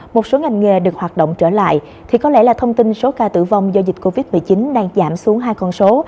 một số ngành nghề được hoạt động trở lại thì có lẽ là thông tin số ca tử vong do dịch covid một mươi chín đang giảm xuống hai con số